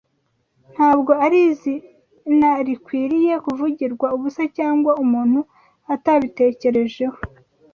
Ntabwo iri zina rikwiriye kuvugirwa ubusa cyangwa umuntu atabitekerejeho